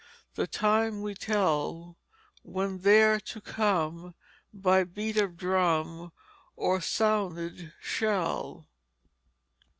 The time we tell When there to come, By beat of drum, Or sounding shell."